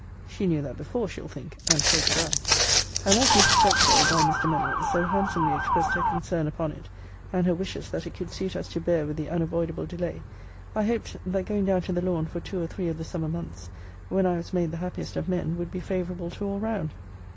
[She knew that before, she'll think; and so did I.] And as Mrs. Fretchville, by Mr. Mennell, so handsomely expressed her concern upon it, and her wishes that it could suit us to bear with the unavoidable delay, I hoped, that going down to The Lawn for two or three of the summer months, when I was made the happiest of men, would be favourable to all round.'